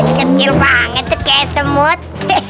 kecil banget itu kayak semut